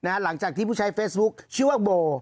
หลังจากที่ผู้ใช้เฟซบุ๊คชื่อว่าโบ